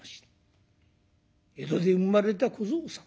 江戸で生まれた小僧さん。